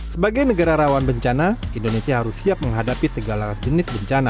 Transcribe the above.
sebagai negara rawan bencana indonesia harus siap menghadapi segala jenis bencana